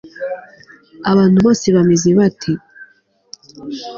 abantu bose bameze bate